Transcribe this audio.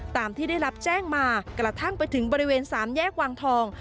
ตามที่ได้รับแจ้งมากระทั่งไปถึงบริเวณสามแยกวังทอง